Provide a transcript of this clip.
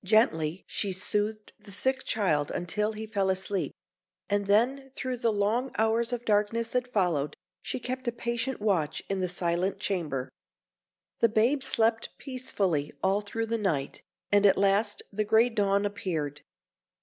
Gently she soothed the sick child until he fell asleep; and then, through the long hours of darkness that followed, she kept a patient watch in the silent chamber. The babe slept peacefully all through the night, and at last the grey dawn appeared.